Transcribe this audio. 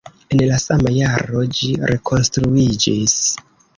En la sama jaro ĝi rekonstruiĝis.